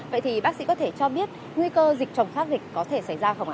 vậy thì bác sĩ có thể cho biết nguy cơ dịch chồng khác dịch có thể xảy ra không ạ